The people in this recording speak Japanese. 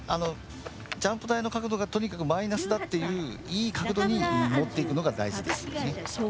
ジャンプ台の角度がとにかくマイナスだっていういい角度に持っていくのが大事です。